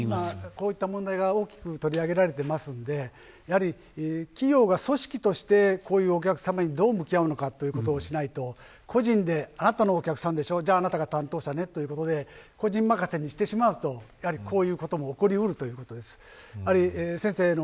こういった問題が大きく取り上げられているので企業が組織としてこういうお客様にどう向き合うのかということをしないと個人で、あなたのお客さんでしょじゃあ、あなたが担当者ねということで個人任せにするとこういうことも起こり得るということです。